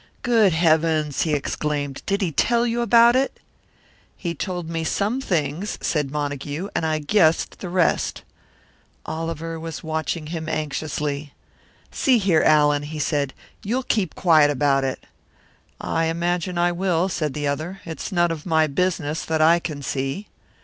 "Good heavens!" he exclaimed. "Did he tell you about it?" "He told me some things," said Montague, "and I guessed the rest." Oliver was watching him anxiously. "See here, Allan," he said, "you'll keep quiet about it!" "I imagine I will," said the other. "It's none of my business, that I can see."